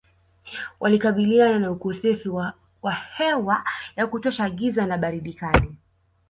Walikabiliana na ukosefu wa hewa ya kutosha giza na baridi kali